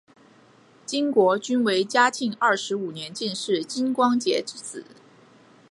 金国均为嘉庆二十五年进士金光杰之子。